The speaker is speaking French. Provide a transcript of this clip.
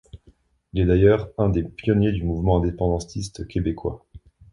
Il est d'ailleurs un des pionniers du mouvement indépendantiste québécois.